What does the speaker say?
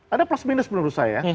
ada plus minus menurut saya